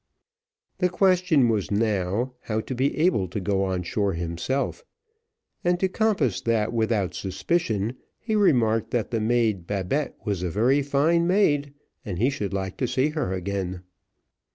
The question was now, how to be able to go on shore himself; and to compass that without suspicion, he remarked that the maid Babette was a very fine maid, and he should like to see her again.